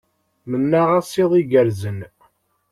Mennaɣ-as iḍ igerrzen.